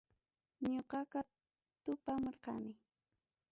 Ñuqaqa tupamurqani.